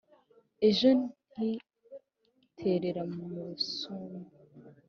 Ejo ntiterera mu rusuma